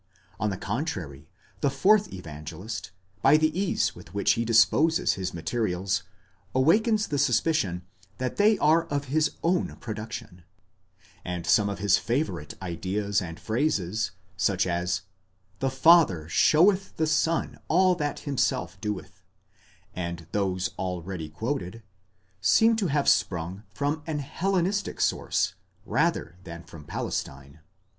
On the contrary, the fourth Evangelist, by the ease with which he disposes his materials, awakens the suspicion that they are of his own production ; and some of his favourite ideas and phrases, such as, Zhe Father showeth the Son all that himself doeth,' and those already quoted, seem to have sprung from an Hellenistic source, rather than from Palestine.